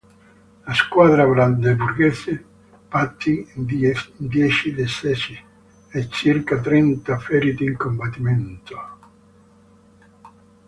La squadra brandeburghese patì dieci decessi e circa trenta feriti in combattimento.